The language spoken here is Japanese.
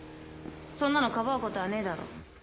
そんなのかばうことはねえだろ。